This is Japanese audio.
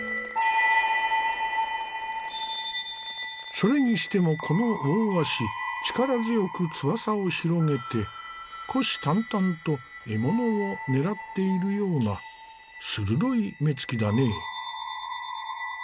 それにしてもこの大鷲力強く翼を広げて虎視眈々と獲物を狙っているような鋭い目つきだね。